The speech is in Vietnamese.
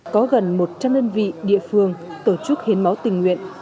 có gần một trăm linh đơn vị địa phương tổ chức hiến máu tình nguyện